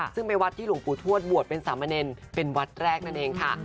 ซึ่งเป็นวัดที่หลวงปู่ทวดบวชเป็นสามเณรเป็นวัดแรกนั่นเองค่ะ